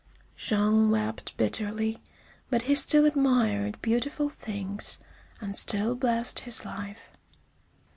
Jean wept bitterly, but he still admired beautiful things, and still blessed his life.